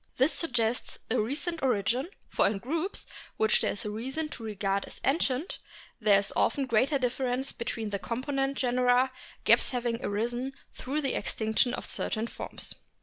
This suggests a recent origin ; for in groups, which TOOTHED WHALES 175 there is reason to regard as ancient, there is often greater difference between the component genera, gaps having arisen through the extinction of certain forms.